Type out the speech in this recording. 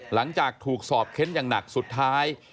หลังจากถูกสอบเค้นอย่างหนักสุดท้าย